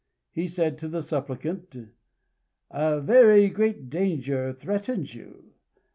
He said to the supplicant: "A very great danger threatens you.